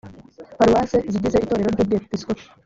paruwase zigize itorero ry ubwepiskopi